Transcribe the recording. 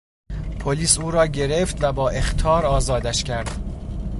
پلیس او را گرفت و با اخطار آزادش کرد.